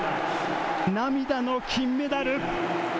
涙の金メダル！